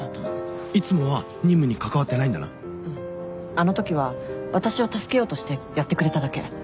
あのときは私を助けようとしてやってくれただけ。